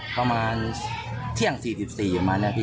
ประมาณเที่ยง๔๔เหมือนกันเนี่ยพี่